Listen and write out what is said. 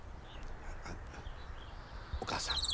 あぁお母さん。